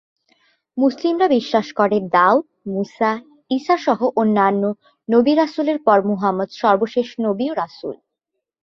মুসলিমরা বিশ্বাস করে "দাউদ", "মুসা", "ইসা" সহ অন্যান্য নবি-রাসুলের পর মুহাম্মদ সর্বশেষ নবী ও রাসুল।